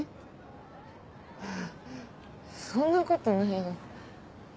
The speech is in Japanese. そんなことないよ。